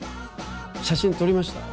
写真撮りました？